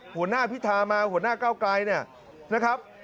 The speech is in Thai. หัวหน้าพิธามาหัวหน้าเก้าไกลเนี่ยนะครับ